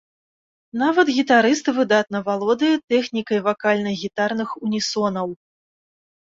Нават гітарыст выдатна валодае тэхнікай вакальна-гітарных унісонаў.